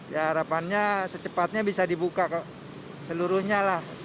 ya harapannya secepatnya bisa dibuka seluruhnya lah